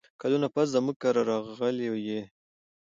کلونه پس زموږ کره راغلې یې !